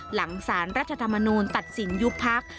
หลังสารรัฐธรรมนูลตัดสินยุบพัก